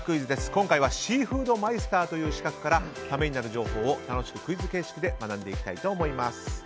今回はシーフードマイスターという資格からためになる情報を楽しくクイズ形式で学んでいきたいと思います。